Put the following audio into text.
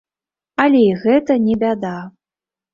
Але і гэта не бяда.